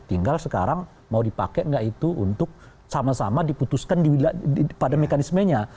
tinggal sekarang mau dipakai nggak itu untuk sama sama diputuskan pada mekanismenya